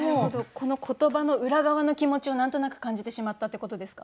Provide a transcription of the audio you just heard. この言葉の裏側の気持ちを何となく感じてしまったってことですか？